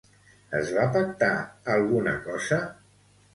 Es va pactar alguna cosa?